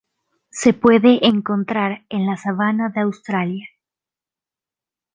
Se puede encontrar en la sabana de Australia.